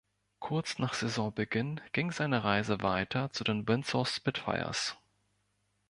Kurz nach Saisonbeginn ging seine Reise weiter zu den Windsor Spitfires.